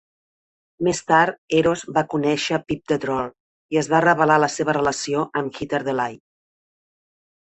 Més tard, Eros va conèixer Pip the Troll, i es va revelar la seva relació amb Heater Delight.